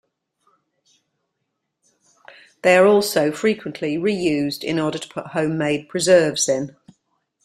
They are also frequently re-used in order to put home-made preserves in.